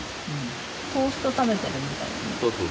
トースト食べてるみたい。